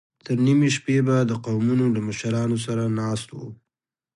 تر نيمې شپې به د قومونو له مشرانو سره ناست و.